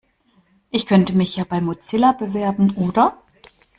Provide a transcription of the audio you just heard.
Ich könnte mich ja bei Mozilla bewerben, oder?